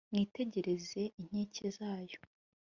mwitegereze inkike zayo